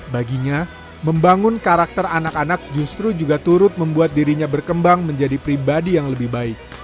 baginya membangun karakter anak anak justru juga turut membuat dirinya berkembang menjadi pribadi yang lebih baik